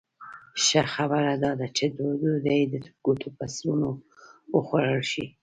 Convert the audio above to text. ښه خبره دا ده چې ډوډۍ د ګوتو په سرونو وخوړل شي.